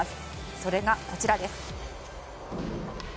それが、こちらです。